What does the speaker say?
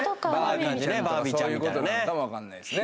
バービーちゃんとかそういうことなのかも分かんないですね